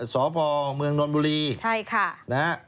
สพเมืองนอนบุรีใช่ค่ะ